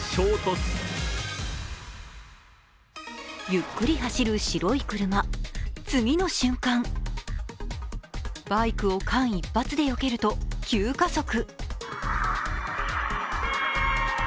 ゆっくり走る白い車、次の瞬間、バイクを間一髪でよけると急加速。